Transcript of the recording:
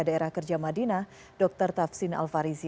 daerah kerja madinah dr tafsine al farizi